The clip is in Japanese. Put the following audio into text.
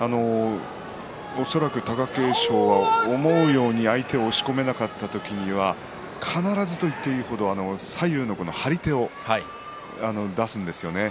恐らく貴景勝は思うように相手を押し込めなかった時には必ずと言っていい程左右の張り手を出すんですよね。